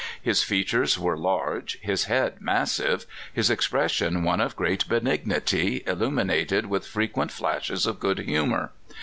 His features were large, his head massive, his expres sion one of great benignity, illuminated w^ith fre quent flashes of good humor.